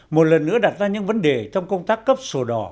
một lần nữa đặt ra những vấn đề trong công tác cấp sổ đỏ